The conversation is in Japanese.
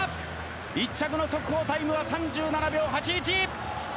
１着の速報タイムは３７秒８１！